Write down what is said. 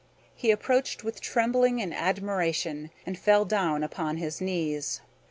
He approached with trembling and admiration, and fell down before her upon his knees.